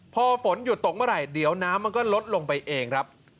พอฝนหยุดตกเมื่อไหร่เดี๋ยวน้ำมันก็ลดลงไปเองครับ